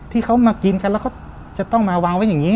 ที่เขามากินกันแล้วเขาจะต้องมาวางไว้อย่างนี้